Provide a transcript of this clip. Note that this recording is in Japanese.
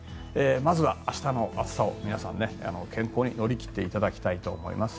まずは明日の暑さを皆さん健康に乗り切っていただきたいと思います。